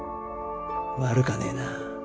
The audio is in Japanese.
悪かねえな。